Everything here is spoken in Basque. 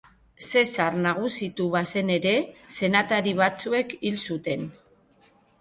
Zesar nagusitu bazen ere, senatari batzuek hil zuten.